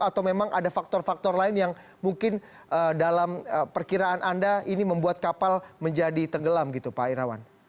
atau memang ada faktor faktor lain yang mungkin dalam perkiraan anda ini membuat kapal menjadi tenggelam gitu pak irawan